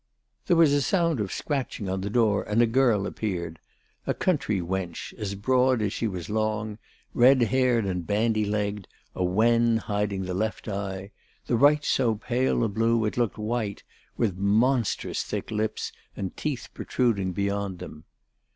There was a sound of scratching on the door, and a girl appeared, a country wench, as broad as she was long, red haired and bandy legged, a wen hiding the left eye, the right so pale a blue it looked white, with monstrous thick lips and teeth protruding beyond them.